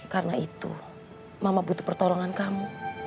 karena itu mama butuh pertolongan kamu